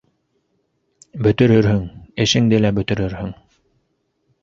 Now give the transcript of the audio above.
- Бөтөрөрһөң, эшеңде лә бөтөрөрһөң.